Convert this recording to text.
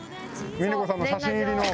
峰子さんの写真入りの。